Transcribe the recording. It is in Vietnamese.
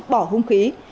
bỏ hung khí